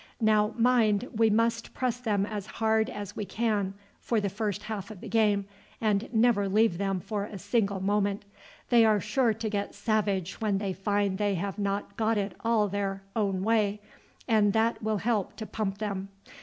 Now, mind, we must press them as hard as we can for the first half the game, and never leave them for a single moment. They are sure to get savage when they find they have not got it all their own way, and that will help to pump them.